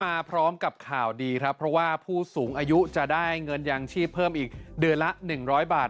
มาพร้อมกับข่าวดีครับเพราะว่าผู้สูงอายุจะได้เงินยางชีพเพิ่มอีกเดือนละ๑๐๐บาท